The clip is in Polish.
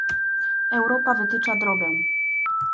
Europa wytycza drogę